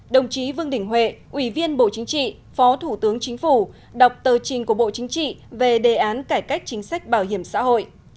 đồng chí vương đình huệ ủy viên bộ chính trị phó thủ tướng chính phủ đọc tờ trình của bộ chính trị về đề án cải cách chính sách bảo hiểm xã hội